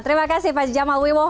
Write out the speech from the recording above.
terima kasih pak jamal